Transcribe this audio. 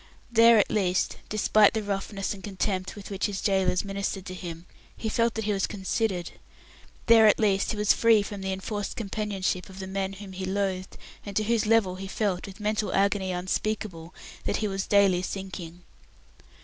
There at least despite the roughness and contempt with which his gaolers ministered to him he felt that he was considered. There at least he was free from the enforced companionship of the men whom he loathed, and to whose level he felt, with mental agony unspeakable, that he was daily sinking.